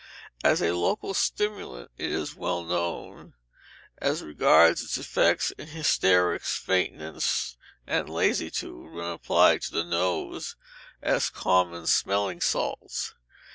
As a local stimulant it is well known, as regards its effects in hysterics, faintness, and lassitude, when applied to the nose, as common smelling salts.